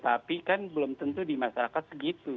tapi kan belum tentu di masyarakat segitu